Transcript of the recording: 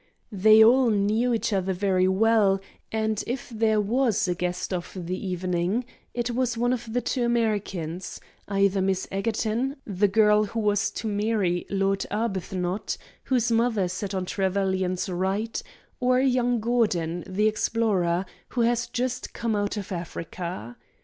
They all knew each other very well; and if there was a guest of the evening, it was one of the two Americans either Miss Egerton, the girl who was to marry Lord Arbuthnot, whose mother sat on Trevelyan's right, or young Gordon, the explorer, who has just come out of Africa.